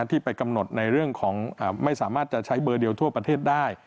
ที่ไปกำหนดในเรื่องของไม่สามารถจะใช้เบอร์เดียวทั่วประเทศได้